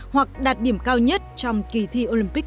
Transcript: hoặc đạt điểm cao nhất trong kỳ thi olympic